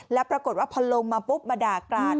แล้วปรากฏว่าพอลงมาปุ๊บมาด่ากราด